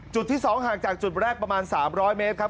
จุดที่๒ห่างจากจุดแรกประมาณ๓๐๐เมตรครับ